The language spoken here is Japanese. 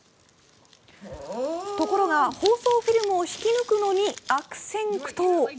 ところが、包装フィルムを引き抜くのに悪戦苦闘。